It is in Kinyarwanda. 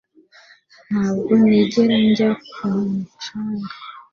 Ntabwo nigera njya ku mucanga